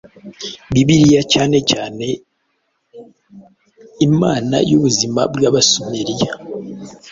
Bibiliyacyane cyane imana yubuzima bwAbasumeriya